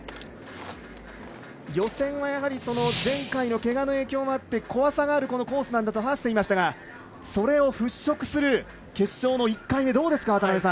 予選は前回のけがの影響もあって怖さがあるコースなんだと話していましたがそれを払拭する決勝の１回目、どうですか。